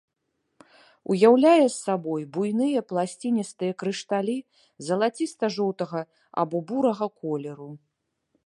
Уяўляе сабой буйныя пласціністыя крышталі залаціста-жоўтага або бурага колеру.